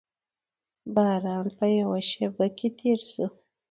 باران په یوه شېبه کې تېر شو.